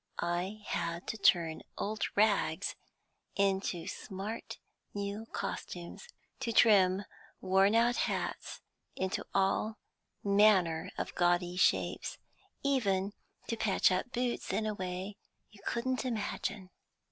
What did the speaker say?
I had to turn old rags into smart new costumes, to trim worn out hats into all manner of gaudy shapes, even to patch up boots in a way you couldn't imagine.